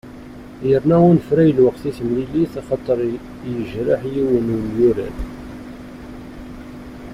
Yerna unefray lweqt i temlilit axaṭer yejreḥ yiwen n umyurar.